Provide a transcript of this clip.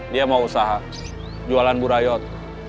dia mau usaha jualan burayot